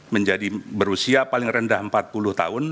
menjadi berusia paling rendah empat puluh tahun